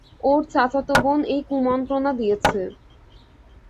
ওর চাচাতো বোন এই কুমন্ত্রণা দিয়েছে।